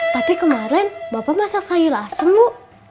tapi kemarin bapak masak sayur asem bu